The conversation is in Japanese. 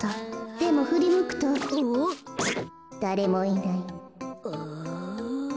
でもふりむくとだれもいない。